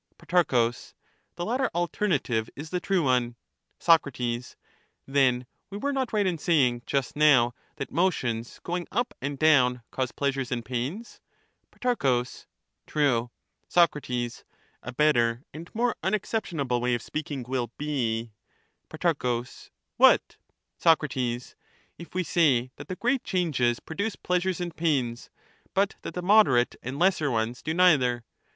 Pro, The latter alternative is the true one. Soc, Then we were not right in saying, just now, that motions going up and down cause pleasures and pains ? Pro, True. Soc, A better and more unexceptionable way of speaking will be — Pro, What? Soc, If we say that the great changes produce pleasures and pains, but that the moderate and lesser ones do neither.